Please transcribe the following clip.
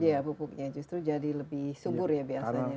iya pupuknya justru jadi lebih subur ya biasanya